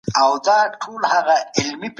که هغې له تګ څخه انکار وکړ، نو حق ئې ساقط سو.